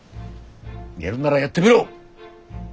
やるならやってみろ。